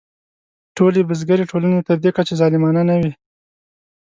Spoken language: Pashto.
ټولې بزګري ټولنې تر دې کچې ظالمانه نه وې.